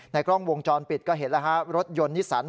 ในกล้องวงจรปิดก็เห็นรถยนต์นิสัน